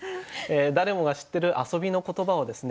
誰もが知ってる遊びの言葉をですね